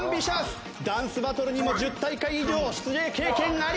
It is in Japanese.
ダンスバトルにも１０大会以上出場経験あり。